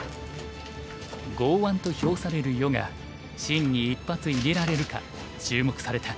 剛腕と評される余がシンに一発入れられるか注目された。